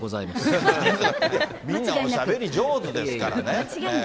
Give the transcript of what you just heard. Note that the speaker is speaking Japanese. いや、みんなおしゃべり上手ですからね。